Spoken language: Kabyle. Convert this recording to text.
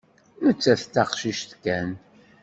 Nettat d taqcict kan.